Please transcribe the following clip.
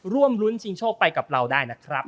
ร่วมรุ้นชิงโชคไปกับเราได้นะครับ